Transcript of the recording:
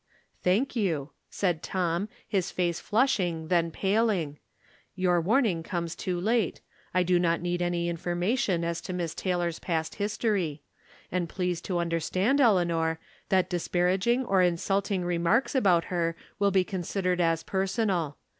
" Thank you," said Tom, his face flushing, then paling. " Your warning comes too late. I do not need any information as to Miss Taylor's past history. And please to understand, Elea nor, that disparaging or insvilting remarks about her wlLI be considered as personal.